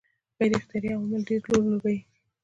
غیر اختیاري عوامل ډېر رول لوبوي.